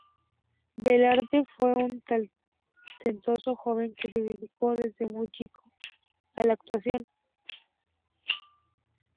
Velarde fue un talentoso joven que se dedicó desde muy chico a la actuación.